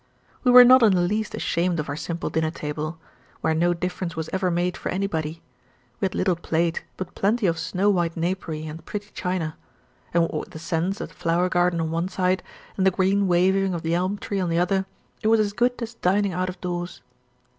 We were not in the least ashamed of our simple dinner table, where no difference was ever made for anybody. We had little plate, but plenty of snow white napery and pretty china; and what with the scents of the flower garden on one side, and the green waving of the elm tree on the other, it was as good as dining out of doors.